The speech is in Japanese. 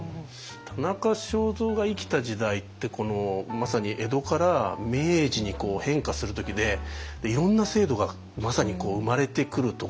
田中正造が生きた時代ってまさに江戸から明治に変化する時でいろんな制度がまさに生まれてくるところで。